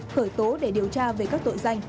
khởi tố để điều tra về các tội danh